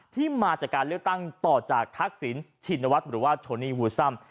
ที่มาจากการเลือกตั้งต่อจากทักษิณชินวัฒน์หรือว่าโทนี่วูซัม